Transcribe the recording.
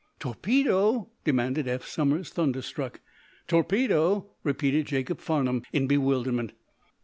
"Torpedo?" demanded Eph Somers, thunderstruck. "Torpedo?" repeated Jacob Farnum, in bewilderment.